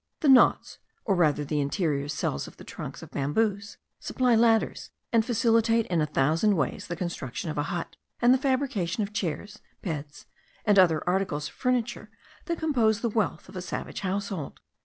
The knots, or rather the interior cells of the trunks of bamboos, supply ladders, and facilitate in a thousand ways the construction of a hut, and the fabrication of chairs, beds, and other articles of furniture that compose the wealth of a savage household.